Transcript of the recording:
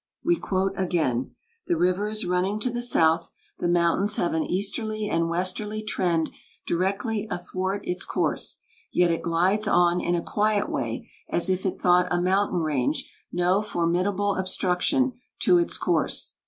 We quote again: "The river is running to the south; the mountains have an easterly and westerly trend directly athwart its course, yet it glides on in a quiet way as if it thought a mountain range no formidable obstruction to its course.